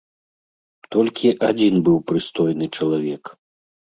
Толькі адзін быў прыстойны чалавек.